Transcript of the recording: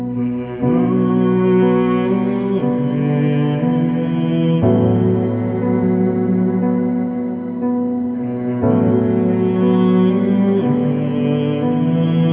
สวัสดีครับ